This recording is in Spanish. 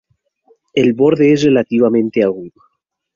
El borde es relativamente agudo.